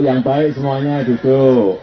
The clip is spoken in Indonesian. yang baik semuanya duduk